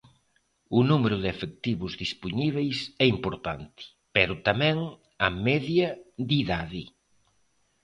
O número de efectivos dispoñíbeis é importante, pero tamén a media de idade.